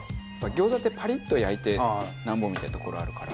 餃子ってパリッと焼いてなんぼみたいなところあるから。